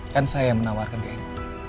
kan saya yang menawarkan dia